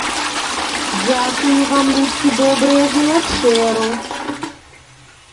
Дзякую вам, людцы добрыя, за вячэру!